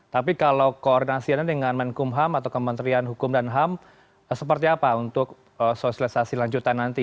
tapi kalau koordinasinya dengan menkum ham atau kementerian hukum dan ham seperti apa untuk sosialisasi lanjutan nanti